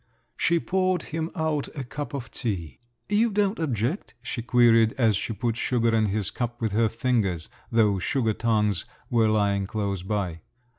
She poured him out a cup of tea. "You don't object?" she queried, as she put sugar in his cup with her fingers … though sugar tongs were lying close by.